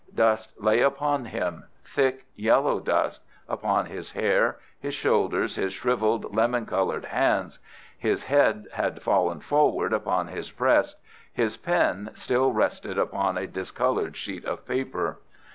Dust lay upon him—thick, yellow dust—upon his hair, his shoulders, his shrivelled, lemon coloured hands. His head had fallen forward upon his breast. His pen still rested upon a discoloured sheet of paper.